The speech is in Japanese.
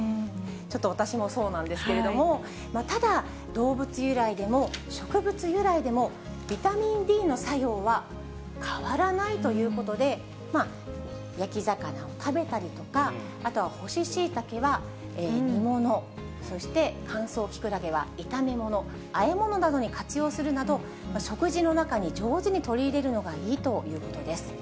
ちょっと私もそうなんですけれども、ただ、動物由来でも、植物由来でも、ビタミンＤの作用は変わらないということで、焼き魚を食べたりとか、あとは干しシイタケは煮物、そして乾燥キクラゲは炒め物、あえ物などに活用するなど、食事の中に上手に取り入れるのがいいということです。